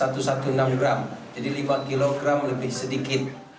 jadi lima kilogram lebih sedikit